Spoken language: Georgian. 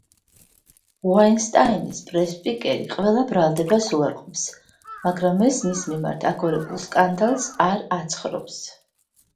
უაინსტაინის პრეს-სპიკერი ყველა ბრალდებას უარყოფს, მაგრამ ეს მის მიმართ აგორებულ სკანდალს არ აცხრობს.